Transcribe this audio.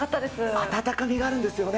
温かみがあるんですよね。